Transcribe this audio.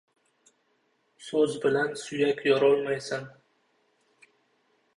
• So‘z bilan suyak yorolmaysan.